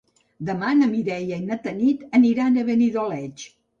Demà na Mireia i na Tanit aniran a Benidoleig.